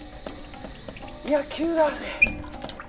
いや急だぜ。